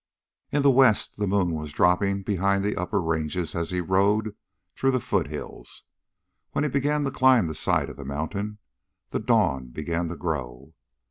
In the west the moon was dropping behind the upper ranges, as he rode through the foothills; when he began to climb the side of the mountain, the dawn began to grow.